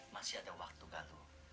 masih ada waktu galuh